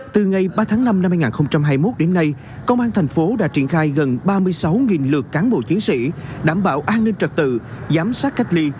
từ ngày ba tháng năm năm hai nghìn hai mươi một đến nay công an thành phố đã triển khai gần ba mươi sáu lượt cán bộ chiến sĩ đảm bảo an ninh trật tự giám sát cách ly